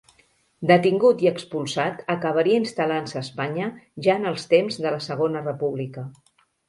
Detingut i expulsat, acabaria instal·lant-se a Espanya, ja en els temps de la Segona República.